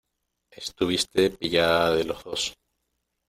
estuviste pillada de los dos.